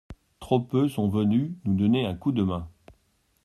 Trop peu sont venus nous donner un coup de main.